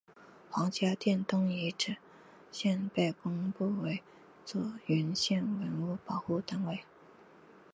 黄家店东遗址现被公布为左云县文物保护单位。